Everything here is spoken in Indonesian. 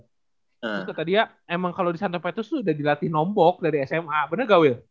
terus kata dia emang kalau di santo petrus tuh udah dilatih nombok dari sma bener gak wil